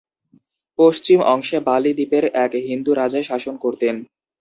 পশ্চিম অংশে বালি দ্বীপের এক হিন্দু রাজা শাসন করতেন।